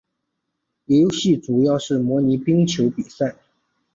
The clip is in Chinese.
游戏主要是模拟冰球比赛。